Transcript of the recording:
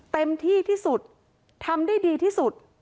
เต็มที่ที่สุดทำได้ดีที่สุด